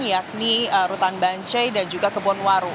yakni rutan banci dan juga kebun waru